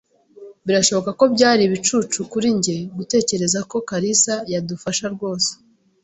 Birashoboka ko byari ibicucu kuri njye gutekereza ko kalisa yadufasha rwose.